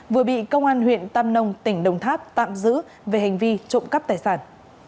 vừa bị công an huyện tam nông tỉnh đồng tháp tạm giữ về hành vi trộm cắp tài sản